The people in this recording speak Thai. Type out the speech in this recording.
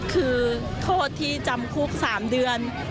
คือโทษที่จำคุก๓เดือน